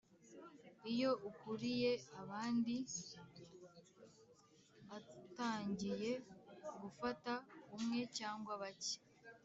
iyo ukuriye abandi atangiye gufata umwe cyangwa bake